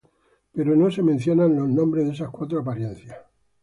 Pero no se mencionan los nombres de esas cuatro apariencias.